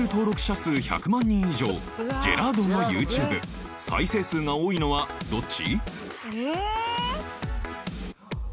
数１００万人以上ジェラードンのＹｏｕＴｕｂｅ再生数が多いのはどっち？